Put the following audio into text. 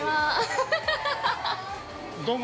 ◆どうも！